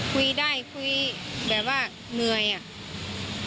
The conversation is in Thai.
คุยได้คุยแบบว่าเหนื่อยอ่ะ